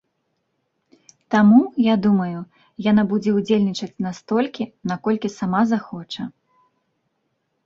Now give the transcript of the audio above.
Таму, я думаю, яна будзе ўдзельнічаць настолькі, наколькі сама захоча.